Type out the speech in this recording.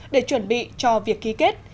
để chuẩn bị cho việc ký kết